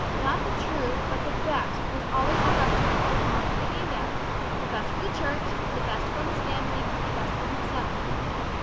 Not the True, but the Best, was always held up to him as the mark to be aimed at: the best for the Church, the best for his family, the best for himself.